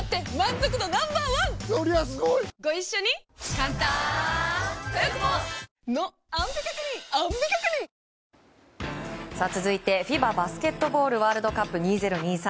サントリー「金麦」続いてＦＩＢＡバスケットボールワールドカップ２０２３。